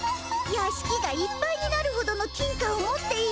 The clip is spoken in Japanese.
やしきがいっぱいになるほどの金貨を持っているっていうのに。